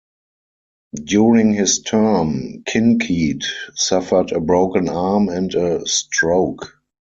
During his term, Kinkead suffered a broken arm and a stroke.